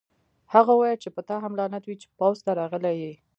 هغه وویل چې په تا هم لعنت وي چې پوځ ته راغلی یې